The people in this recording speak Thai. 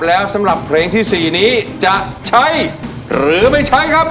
แล้วสำหรับเพลงที่๔นี้จะใช้หรือไม่ใช้ครับ